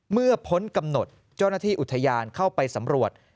พ้นกำหนดเจ้าหน้าที่อุทยานเข้าไปสำรวจ